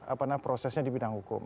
apa namanya prosesnya di bidang hukum